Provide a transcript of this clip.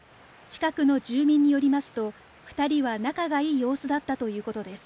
近くの住民によりますと、２人は仲がいい様子だったということです。